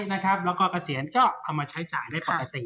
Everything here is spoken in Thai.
แล้วก็เกษียณก็เอามาใช้จ่ายได้ปกติ